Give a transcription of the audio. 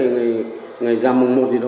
ngày giảm một thì đó